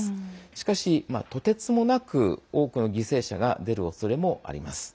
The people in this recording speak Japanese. しかし、とてつもなく多くの犠牲者が出るおそれもあります。